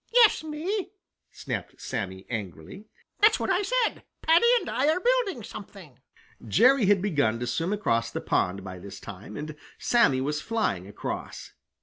"Yes, me!" snapped Sammy angrily. "That's what I said; Paddy and I are building something." Jerry had begun to swim across the pond by this time, and Sammy was flying across.